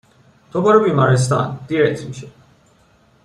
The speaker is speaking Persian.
تو برو بیمارستان! دیرت میشه